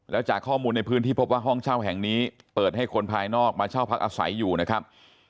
แล้วจากข้อมูลในพื้นที่พบว่าห้องเช่าแห่งนี้เปิดให้คนภายนอกมาเช่าพักอาศัยอยู่นะครับ